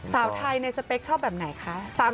สาวไทยในสเปคชอบแบบไหนคะ